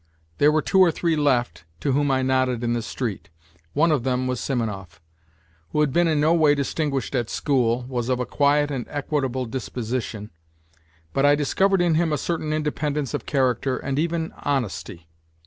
There were two or three left to whom I nodded in the street. One of them was Simonov, who had been in no way distinguished at school, was of a quiet and equable disposition; but I discovered in him a certain independence of character and even honesty.